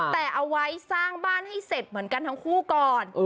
แต่เอาไว้สร้างบ้านให้เสร็จเหมือนกันทั้งคู่ก่อน